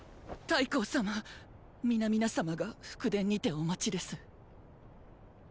太后様皆々様が副殿にてお待ちです。